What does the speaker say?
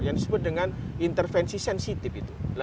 yang disebut dengan intervensi sensitif itu